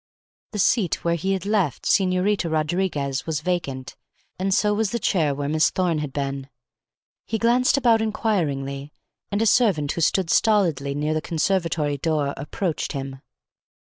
The seat where he had left Señorita Rodriguez was vacant; so was the chair where Miss Thorne had been. He glanced about inquiringly, and a servant who stood stolidly near the conservatory door approached him.